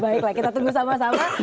baiklah kita tunggu sama sama